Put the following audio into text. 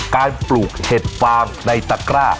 ปลูกเห็ดฟางในตะกร้า